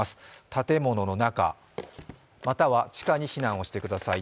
建物の中、または地下に避難をしてください。